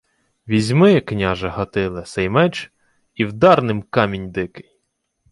— Візьми, княже Гатиле, сей меч і вдар ним камінь дикий.